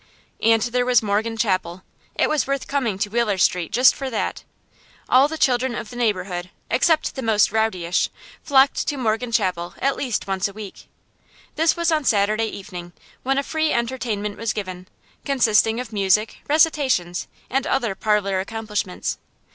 And there was Morgan Chapel. It was worth coming to Wheeler Street just for that. All the children of the neighborhood, except the most rowdyish, flocked to Morgan Chapel at least once a week. This was on Saturday evening, when a free entertainment was given, consisting of music, recitations, and other parlor accomplishments.